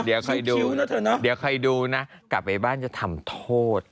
เอ๋ยเดี๋ยวใครดูเขากลับจะทำโทษ